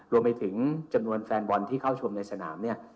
รวมไปถึงจำนวนแฟนบอลที่เข้าชมในสนามเนี่ย